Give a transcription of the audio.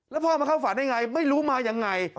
แล้วพ่อมาเข้าฝันได้ไงไม่รู้มายังไง